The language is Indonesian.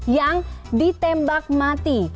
yang ditembak mati